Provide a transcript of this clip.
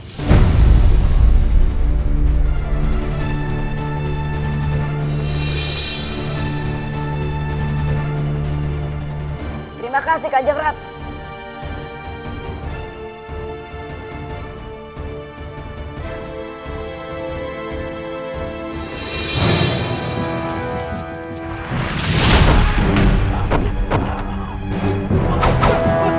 saya akan bidadangkan kecepatan dan mem tribunalkan verbs